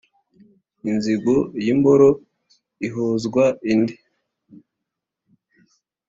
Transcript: Inzigo y’imboro ihozwa indi.